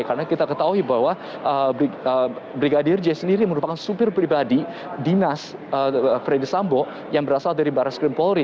karena kita ketahui bahwa brigadir j sendiri merupakan supir pribadi dinas verisampo yang berasal dari baradei